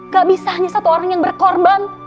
gak bisa hanya satu orang yang berkorban